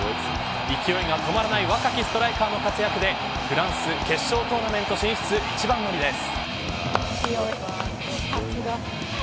勢いが止まらない若きストライカーの活躍でフランス決勝トーナメント進出一番乗りです。